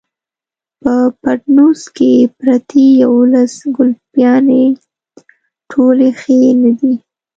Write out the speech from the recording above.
په پټنوس کې پرتې يوولس ګلپيانې ټولې ښې نه دي.